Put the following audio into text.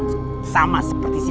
jangan rusak kepercayaan saya